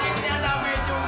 ah namanya damai juga